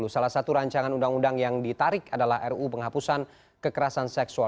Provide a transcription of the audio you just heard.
salah satu rancangan undang undang yang ditarik adalah ru penghapusan kekerasan seksual